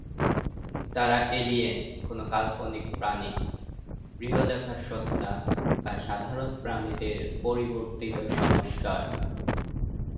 তারা এলিয়েন, কোন কাল্পনিক প্রাণী, বৃহদাকার সত্ত্বা বা সাধারণ প্রাণীদের পরিবর্তিত সংস্করণ।